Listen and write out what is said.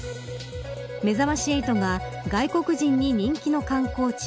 めざまし８が外国人に人気の観光地